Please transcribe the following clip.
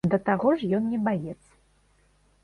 Да таго ж ён не баец.